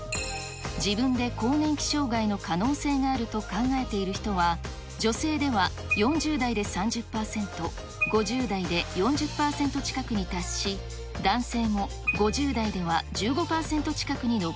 自分で更年期障害の可能性があると考えている人は、女性では４０代で３０％、５０代で４０％近くに達し、男性も５０代では１５％近くに上